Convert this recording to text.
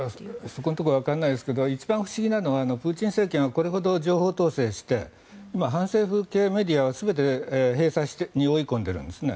そこのところはわからないですが一番不思議なのはプーチン政権はこれほど情報統制して今、反政府系メディアは全て閉鎖に追い込んでいるんですね。